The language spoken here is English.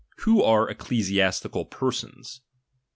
Who are ecclesiastical persons.